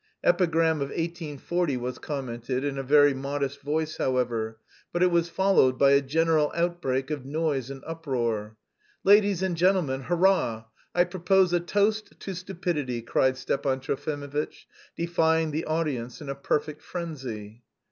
"Epigram of 1840" was commented, in a very modest voice, however, but it was followed by a general outbreak of noise and uproar. "Ladies and gentlemen, hurrah! I propose a toast to stupidity!" cried Stepan Trofimovitch, defying the audience in a perfect frenzy.